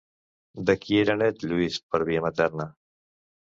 De qui era net Lluís per via materna?